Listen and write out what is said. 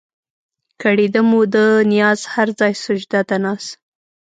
کړېده مو ده نياز هر ځای سجده د ناز